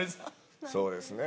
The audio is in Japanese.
そうですね。